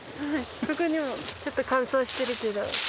ここにもちょっと乾燥してるけど。